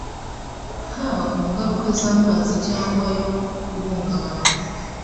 haba ku ngaruka z'amazi cyangwa yo guhungabana